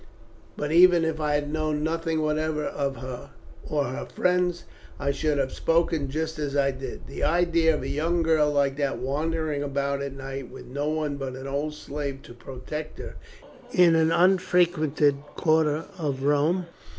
But even if I had known nothing whatever of her or her friends, I should have spoken just as I did. The idea of a young girl like that wandering about at night with no one but an old slave to protect her in an unfrequented quarter of Rome!